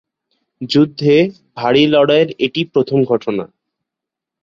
যুদ্ধে ভারী লড়াইয়ের এটি প্রথম ঘটনা।